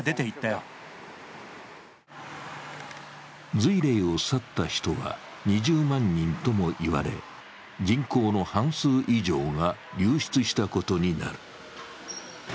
瑞麗を去った人は２０万人ともいわれ人口の半数以上が流出したことになる。